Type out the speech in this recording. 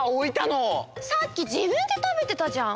さっきじぶんでたべてたじゃん。